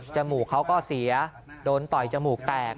มูกเขาก็เสียโดนต่อยจมูกแตก